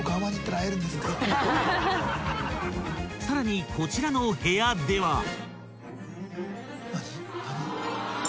［さらにこちらの部屋では］